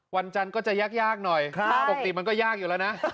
วันจันทร์ก็จะยากหน่อยปกติมันก็ยากอยู่แล้วนะ